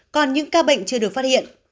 còn những ca bệnh chưa được phát hiện